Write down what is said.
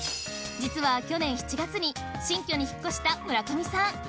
実は去年７月に新居に引っ越した村上さん。